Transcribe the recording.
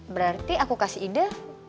berarti aku kasih ide